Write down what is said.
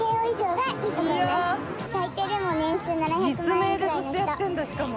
実名でずっとやってるんだしかも。